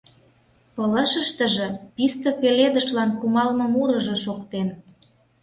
Пылышыштыже писте пеледышлан кумалме мурыжо шоктен.